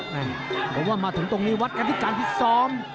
เพราะว่ามาถึงตรงนี้วัดกันที่การพิษซ้อม